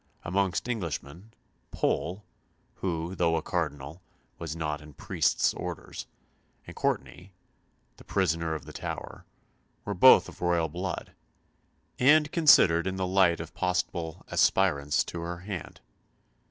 Amongst Englishmen, Pole, who, though a Cardinal, was not in priest's orders, and Courtenay, the prisoner of the Tower, were both of royal blood, and considered in the light of possible aspirants to her hand.